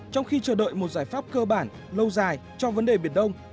trong khi chờ đợi một giải pháp cơ bản lâu dài cho vấn đề biển đông